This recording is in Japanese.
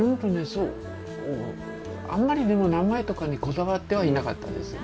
そうあんまりでも名前とかにこだわってはいなかったです。